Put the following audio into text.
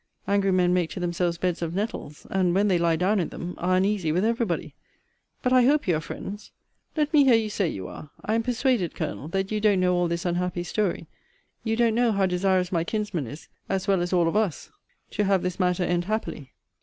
Angry men make to themselves beds of nettles, and, when they lie down in them, are uneasy with every body. But I hope you are friends. Let me hear you say you are. I am persuaded, Colonel, that you don't know all this unhappy story. You don't know how desirous my kinsman is, as well as all of us, to have this matter end happily.